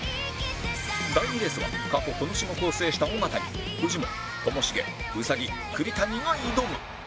第２レースは過去この種目を制した尾形にフジモンともしげ兎栗谷が挑む